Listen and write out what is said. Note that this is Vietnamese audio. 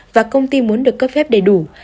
và công ty muốn được cấp phép đầy đủ